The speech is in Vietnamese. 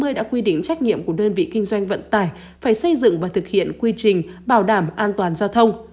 các văn bản quy phạm pháp luật này chỉ rõ đơn vị kinh doanh vận tải phải xây dựng và thực hiện quy trình bảo đảm an toàn giao thông